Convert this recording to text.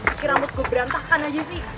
kaki rambut gue berantakan aja sih